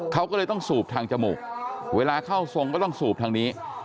เขาก็เลยต้องสูบทางจมูกเวลาเข้าทรงก็ต้องสูบทางนี้